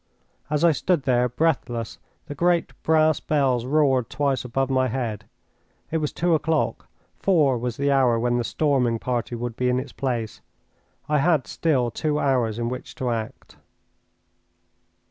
As I stood there, breathless, the great brass bells roared twice above my head. It was two o'clock. Four was the hour when the storming party would be in its place. I had still two hours in which to act.